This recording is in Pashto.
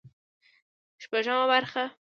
شپږمه برخه